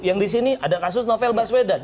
yang di sini ada kasus novel baswedan